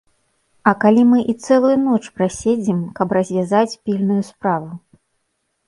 А калі мы і цэлую ноч праседзім, каб развязаць пільную справу?